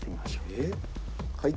えっ？